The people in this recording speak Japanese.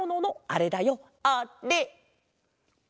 あれ！